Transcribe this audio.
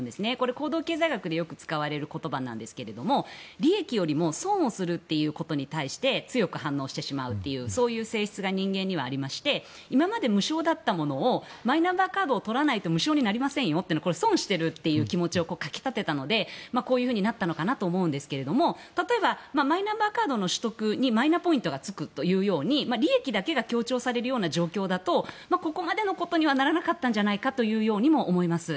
行動経済学でよく使われる言葉なんですけども利益よりも損をするということに対して強く反応してしまうというそういう性質が人間にはありまして今まで無償だったものをマイナンバーカードを取らないと無償になりませんよというのは損しているという気持ちをかき立てたのでこういうふうになったのかなと思うんですが例えばマイナンバーカードの取得にマイナポイントがつくというように利益だけが強調されるような状況だとここまでのことにはならなかったんじゃないかというようにも思います。